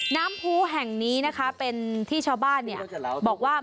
น้ำผู้แห่งนี้นะคะเป็นที่ชาวบ้านบอกว่า